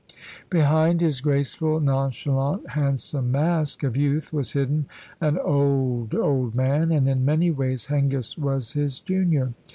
Behind his graceful, nonchalant, handsome mask of youth was hidden an old, old man, and in many ways Hengist was his junior.